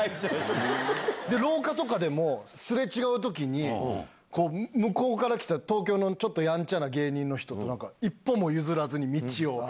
廊下とかでも、すれ違うときに、向こうから来た東京のちょっとやんちゃな芸人の人と一歩も譲らずに、道を。